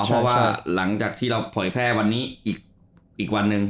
เพราะว่าหลังจากที่เราเผยแพร่วันนี้อีกวันหนึ่ง